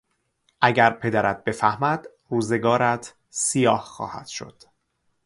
اگر پدرت بفهمد روزگارت سیاه خواهد شد.